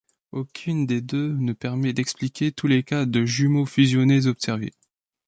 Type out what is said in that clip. Aucune des deux ne permet d'expliquer tous les cas de jumeaux fusionnés observés.